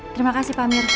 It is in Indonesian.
terima kasih pak amir